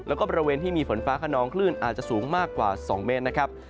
แล้วก็บริเวณที่มีฝนฟ้าขนองคลื่นอาจจะสูงมากกว่า๒เมตรนะครับ